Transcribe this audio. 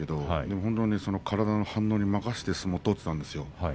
本当に体の反応に任せて相撲を取っていたんです。